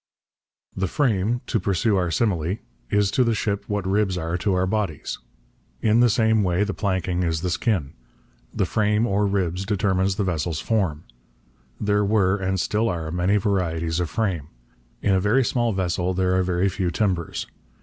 The frame, to pursue our simile, is to the ship what ribs are to our bodies. In the same way the planking is the skin. The frame, or ribs, determines the vessel's form. There were, and still are, many varieties of frame. In a very small vessel there are very few timbers.